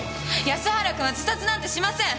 安原君は自殺なんてしません！